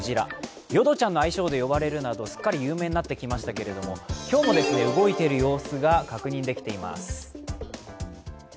ヨドちゃんの愛称で呼ばれるなどすっかり有名になってきましたけど、今日も動いている様子が確認できています。